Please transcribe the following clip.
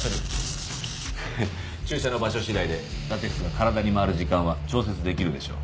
ハハッ注射の場所次第でラテックスが体に回る時間は調節できるでしょう。